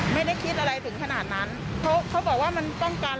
ไม่ได้คิดอะไรถึงขนาดนั้นเพราะเขาบอกว่ามันป้องกัน